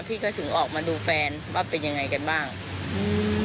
พี่ก็ถึงออกมาดูแฟนว่าเป็นยังไงกันบ้างอืม